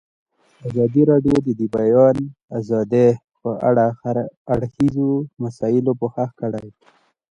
ازادي راډیو د د بیان آزادي په اړه د هر اړخیزو مسایلو پوښښ کړی.